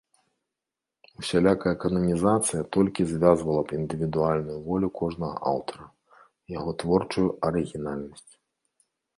Усялякая кананізацыя толькі звязвала б індывідуальную волю кожнага аўтара, яго творчую арыгінальнасць.